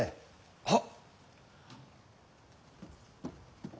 はっ。